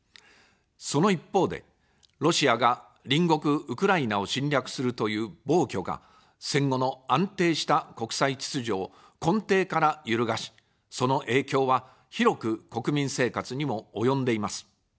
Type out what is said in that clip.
その一方で、ロシアが隣国ウクライナを侵略するという暴挙が、戦後の安定した国際秩序を根底から揺るがし、その影響は広く国民生活にも及んでいます。